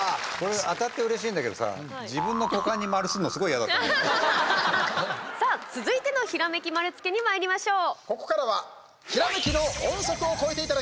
当たってうれしいんだけどささあ、続いてのひらめき丸つけにまいりましょう。